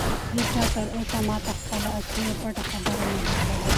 هیچا تر اوسه ماته خپله اصلي او پټه خبره نه ده کړې.